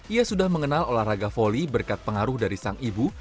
ia sudah mengenal olahraga volley berkat pengaruh dari sang ibu